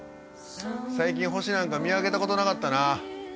最近星なんか見上げたことなかったな。